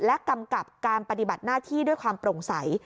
และกำกับการปฏิบัติหน้าที่ด้วยความโปร่งใส